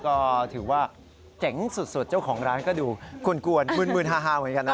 ก็ถือว่าเจ๋งสุดเจ้าของร้านก็ดูกวนมืนฮาเหมือนกันนะ